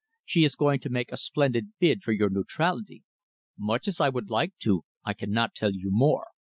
She is going to make a splendid bid for your neutrality. Much as I would like to, I cannot tell you more.